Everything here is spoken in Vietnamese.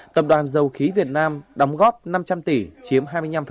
tập đoàn dầu khí việt nam đóng góp năm trăm linh tỷ chiếm hai mươi năm